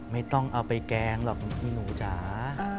ไม่ต้องเอาไปแกงหรอกพี่หนูจ๋า